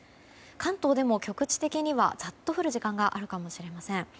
関東でも局地的にはザッと降る時間帯があるかもしれません。